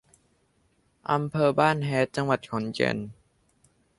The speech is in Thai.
อำเภอบ้านแฮด จังหวัดขอนแก่น